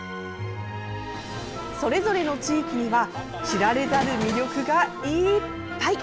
それぞれの地域には知られざる魅力がいっぱい。